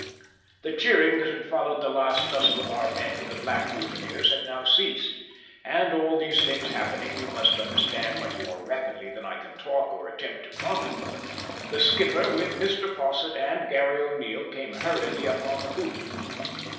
The cheering that had followed the last tussle of our men with the black mutineers had now ceased, and all these things happening, you must understand, much more rapidly than I can talk or attempt to chronicle them, the skipper, with Mr Fosset and Garry O'Neil, came hurriedly up on the poop.